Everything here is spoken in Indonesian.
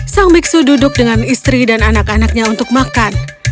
sang biksu duduk dengan istri dan anak anaknya untuk makan